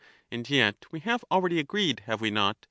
And yet we have already agreed — have we not?